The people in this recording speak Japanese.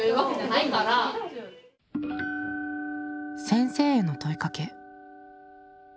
先生への問いかけ。